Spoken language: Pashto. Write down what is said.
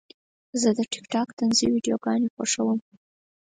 زه د ټک ټاک طنزي ویډیوګانې خوښوم.